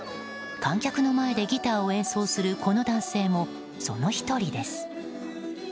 観客の前でギターを演奏するこの男性も、その１人です。